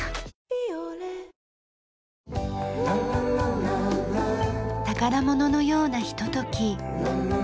「ビオレ」宝物のようなひととき。